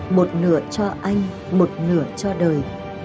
một nửa cho anh một nửa cho đời